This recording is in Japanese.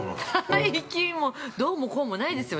◆最近、どうもこうもないですよ。